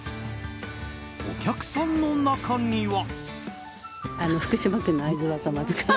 お客さんの中には。